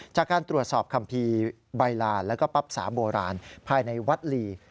จากการตรวจสอบคำพี่ใบลานและปับสาโบราณภายในวัดลี